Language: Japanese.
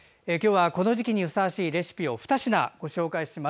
この時期にふさわしいレシピを二品、ご紹介します。